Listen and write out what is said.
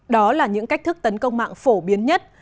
đó là những cách thức tấn công mạng phổ biến nhất